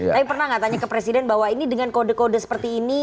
tapi pernah nggak tanya ke presiden bahwa ini dengan kode kode seperti ini